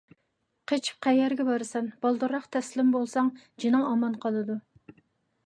قېچىپ قەيەرگە بارىسەن؟ بالدۇرراق تەسلىم بولساڭ جېنىڭ ئامان قالىدۇ!